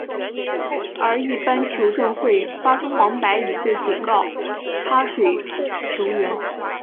而一般球证会发出黄牌以作警告插水球员。